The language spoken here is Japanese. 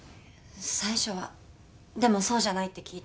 最初はでもそうじゃないって聞いて。